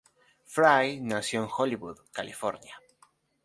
Frye nació en Hollywood, California.